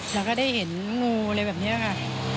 เราก็ได้เห็นงูอะไรแบบนี้ค่ะ